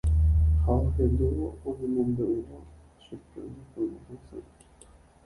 Ha'e ohendúvo oñemombe'úva chupe oñepyrũ hasẽ.